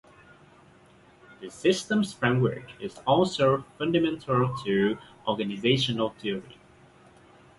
The systems framework is also fundamental to organizational theory.